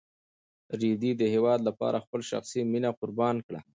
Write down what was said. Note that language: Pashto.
رېدي د هېواد لپاره خپله شخصي مینه قربان کړه.